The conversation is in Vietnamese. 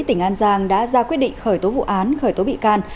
tỉnh an giang đã ra quyết định khởi tố vụ án khởi tố bị can